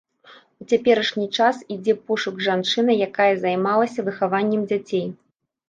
У цяперашні час ідзе пошук жанчыны, якая займалася выхаваннем дзяцей.